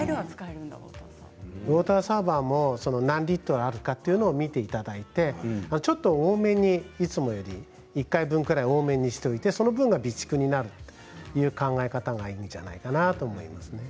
ウォーターサーバーも何リットルあるか見ていただいていつもより１杯分ぐらい多めにしておいて、その分が備蓄になるという考え方がいいんじゃないかなと思います。